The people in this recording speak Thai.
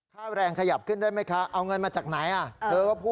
ค่าแรงขยับขึ้นได้ไหมคะเอาเงินมาจากไหน